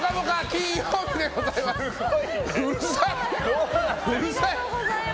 金曜日でございます。